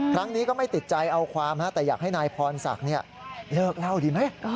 ครั้งนี้ก็ไม่ติดใจเอาความแต่อยากให้นายพรศักดิ์เลิกเล่าดีไหม